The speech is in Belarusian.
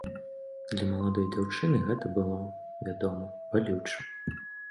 Для маладой дзяўчыны гэта было, вядома, балюча.